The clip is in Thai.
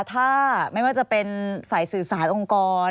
ถ้าไม่ว่าจะเป็นฝ่ายสื่อสารองค์กร